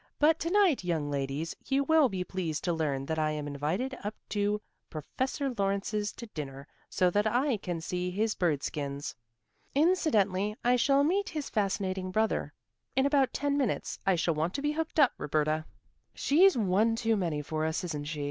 "But to night, young ladies, you will be pleased to learn that I am invited up to Professor Lawrence's to dinner, so that I can see his bird skins. Incidentally I shall meet his fascinating brother. In about ten minutes I shall want to be hooked up, Roberta." "She's one too many for us, isn't she?"